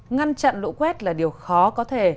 ngăn chặn lũ quét là điều khó có thể